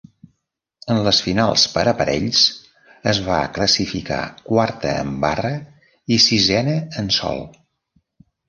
En les finals per aparells es va classificar quarta en barra i sisena en sòl.